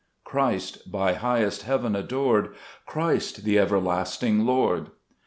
2 Christ, by highest heaven adored ; Christ, the Everlasting Lord !